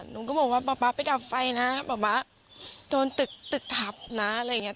รู้ค่ะน้องก็บอกว่าป๊าป๊าไปดับไฟนะป๊าป๊าโดนตึกถับนะอะไรอย่างนี้